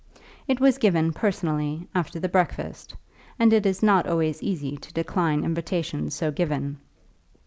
It was given, personally, after the breakfast, and it is not always easy to decline invitations so given.